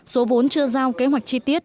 số vốn chưa giao kế hoạch chi tiết